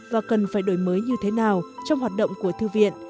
và cần phải đổi mới như thế nào trong hoạt động của thư viện